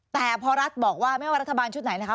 แต่พอรัฐบอกว่าไม่ว่ารัฐบาลชุดไหนนะคะ